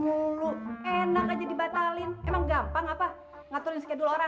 enak aja dibatalin emang gampang apa ngaturin schedule orang